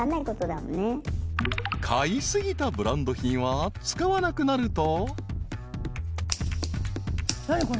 ［買い過ぎたブランド品は使わなくなると］